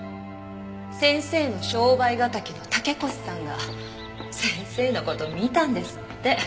先生の商売敵の竹越さんが先生の事見たんですって。